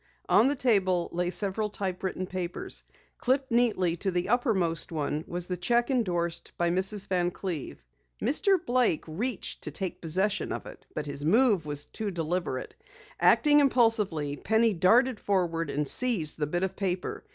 On the table lay several typewritten papers. Clipped neatly to the uppermost one, was the cheque endorsed by Mrs. Van Cleve. Mr. Blake reached to take possession of it, but his move was deliberate. Acting impulsively, Penny darted forward and seized the bit of paper.